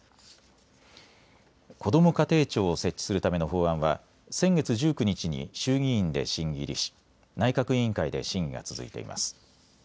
こども家庭庁を設置するための法案は先月１９日に衆議院で審議入りし、内閣委員会で審議が続いています。